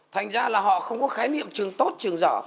thành ra là họ không có khái niệm trường tốt trường giỏ